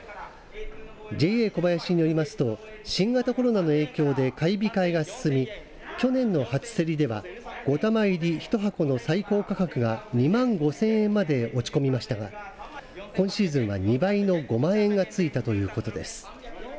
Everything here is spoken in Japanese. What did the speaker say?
ＪＡこばやしによりますと新型コロナの影響で買い控えが進み去年の初競りでは５玉入り１箱の最高価格が２万５０００円まで落ち込みましたが今シーズンは２倍の５万円がついたということです。